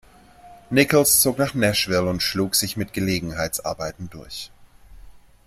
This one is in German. Nichols zog nach Nashville und schlug sich mit Gelegenheitsarbeiten durch.